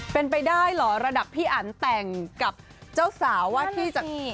เป็นไปได้เหรอระดับพี่อันแต่งกับเจ้าสาวว่าที่จาก